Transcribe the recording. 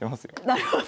なるほど。